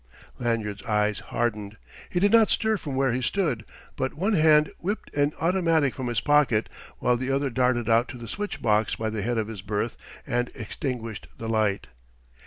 Lanyard's eyes hardened. He did not stir from where he stood, but one hand whipped an automatic from his pocket while the other darted out to the switch box by the head of his berth and extinguished the light.